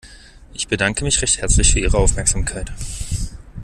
Ich bedanke mich recht herzlich für Ihre Aufmerksamkeit.